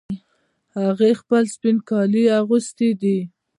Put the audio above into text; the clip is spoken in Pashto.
هغې خپل سپین کالي اغوستې دي